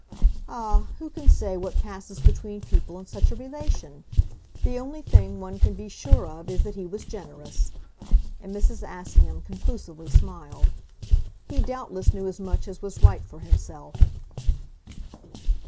"Ah, who can say what passes between people in such a relation? The only thing one can be sure of is that he was generous." And Mrs. Assingham conclusively smiled. "He doubtless knew as much as was right for himself."